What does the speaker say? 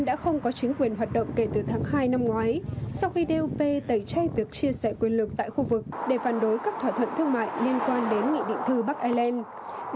chính phủ anh đã có chính quyền hoạt động kể từ tháng hai năm ngoái sau khi d u p tẩy chay việc chia sẻ quyền lực tại khu vực để phản đối các thỏa thuận thương mại liên quan đến nghị định thư bắc island